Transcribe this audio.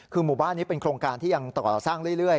คือหมู่บ้านนี้เป็นโครงการที่ยังต่อสร้างเรื่อย